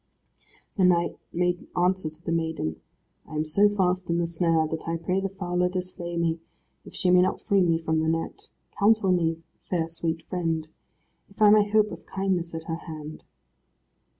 The knight made answer to the maiden, "I am so fast in the snare, that I pray the fowler to slay me, if she may not free me from the net. Counsel me, fair sweet friend, if I may hope of kindness at her hand."